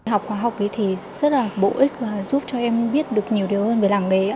học hóa học thì rất là bổ ích và giúp cho em biết được nhiều điều hơn về làng nghề